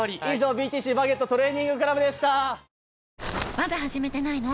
まだ始めてないの？